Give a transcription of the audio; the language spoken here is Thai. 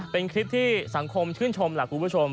เป็นคลิปที่สังคมชื่นชมล่ะคุณผู้ชม